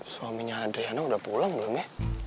suaminya adriana udah pulang belum ya